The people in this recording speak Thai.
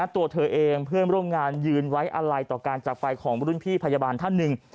ตัวเธอเองเพื่อนร่วมงานยืนไว้อะไรต่อการจักรไปของรุ่นพี่พยาบาลท่านหนึ่ง